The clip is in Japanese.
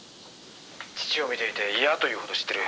「父を見ていて嫌というほど知ってる」